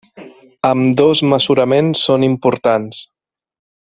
Ambdós mesuraments són importants.